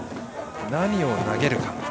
何を投げるか。